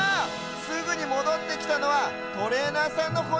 すぐにもどってきたのはトレーナーさんのホイッスル。